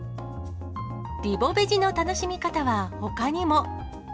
リボベジの楽しみ方は、ほかにも。